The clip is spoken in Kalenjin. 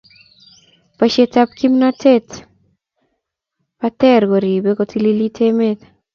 boishet ab kimnatet be ter koripee kotililit emet